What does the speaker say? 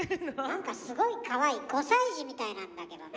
なんかすごいかわいい５歳児みたいなんだけどね。